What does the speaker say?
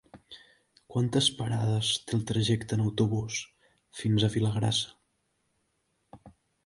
Quantes parades té el trajecte en autobús fins a Vilagrassa?